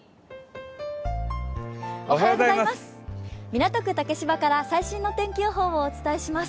港区竹芝から最新の天気予報をお伝えします。